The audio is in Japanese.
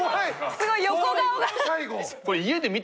すごい横顔が。